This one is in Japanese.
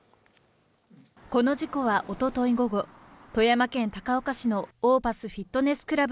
この事故はおととい午後、富山県高岡市のオーパスフィットネスクラブ